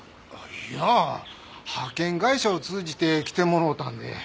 いや派遣会社を通じて来てもろうたんで。